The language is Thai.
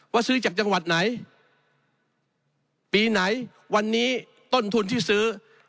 ซื้อจากจังหวัดไหนปีไหนวันนี้ต้นทุนที่ซื้อ